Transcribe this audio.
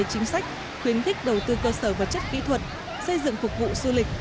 chính sách khuyến khích đầu tư cơ sở vật chất kỹ thuật xây dựng phục vụ du lịch